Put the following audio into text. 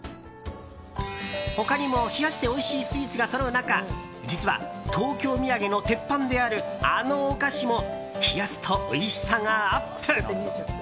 他にも冷やしておいしいスイーツがそろう中実は、東京土産の鉄板であるあのお菓子も冷やすとおいしさがアップ！